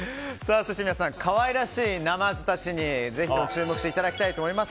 そして皆さん、可愛らしいナマズたちにぜひとも注目していただきたいと思います。